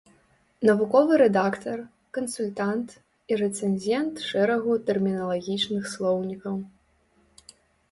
Навуковы рэдактар, кансультант і рэцэнзент шэрагу тэрміналагічных слоўнікаў.